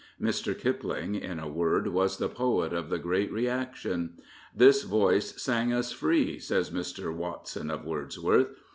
Mr. Kipling, in a word, was the poet of the great reaction. " This voice sang us free," says Mr. Watson of Wordsworth.